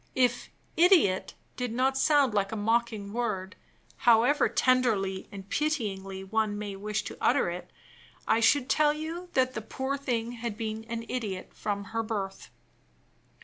If "idiot" did not sound like a mocking word, however tenderly and pityingly one may wish to utter it, I should tell you that the poor thing had been an idiot from her birth.